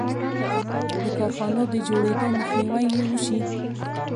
د کارخانو د جوړېدو مخنیوی یې وشي.